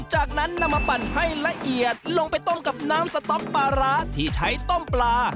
จากนั้นนำมาปั่นให้ละเอียดลงไปต้มกับน้ำสต๊อกปลาร้าที่ใช้ต้มปลา